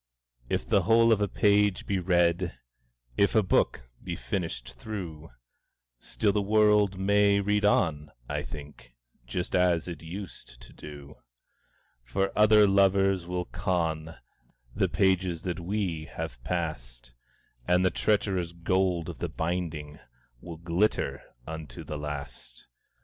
II. If the whole of a page be read, If a book be finished through, Still the world may read on, I think, Just as it used to do; For other lovers will con The pages that we have passed, And the treacherous gold of the binding Will glitter unto the last.